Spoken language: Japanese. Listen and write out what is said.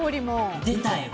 出たよ。